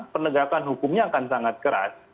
penegakan hukumnya akan sangat keras